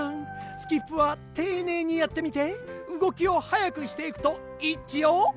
スキップはていねいにやってみてうごきをはやくしていくといいっちよ！